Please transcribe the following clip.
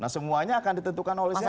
nah semuanya akan ditentukan oleh siapa